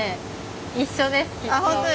一緒ですきっと。